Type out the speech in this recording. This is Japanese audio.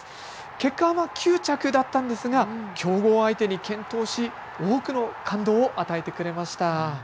結果は９着だったんですが強豪相手に健闘し多くの感動を与えてくれました。